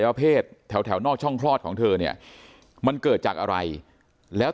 ประเภทแถวนอกช่องคลอดของเธอเนี่ยมันเกิดจากอะไรแล้ว